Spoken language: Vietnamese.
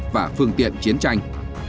và phương tiện chiến tranh